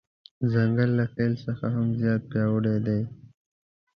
ځنګل له فیل څخه هم زیات پیاوړی دی.